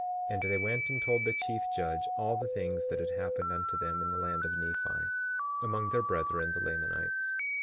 And they went and told the chief judge all the things that had happened unto them in the land of Nephi, among their brethren, the Lamanites.